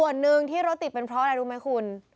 ส่วนหนึ่งที่รถติดเป็นเพราะอะไรรู้ไหมคุณ